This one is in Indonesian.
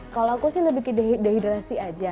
kalau aku sih lebih ke dehidrasi aja